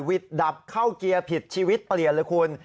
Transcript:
วิทย์ดับเข้าเกียร์ผิดชีวิตเปลี่ยนหรือคุณ